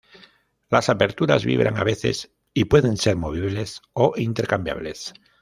Las aperturas vibran a veces y pueden ser movibles o intercambiables.